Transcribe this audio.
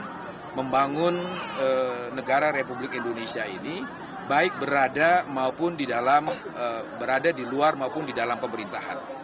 untuk membangun negara republik indonesia ini baik berada maupun di dalam berada di luar maupun di dalam pemerintahan